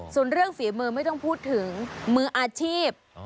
ส่วนเรื่องฝีมือไม่ต้องพูดถึงมืออาชีพ